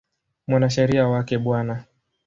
Mwanasheria wake Bw.